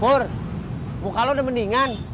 bur muka lo udah mendingan